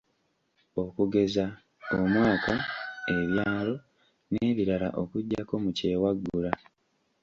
Okugeza; omwaka, ebyalo n’ebirala okuggyako mu kyewaggula.